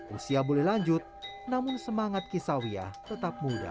usia boleh lanjut namun semangat kisawiyah tetap muda